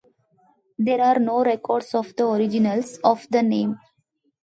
There are no records of the origins of the name.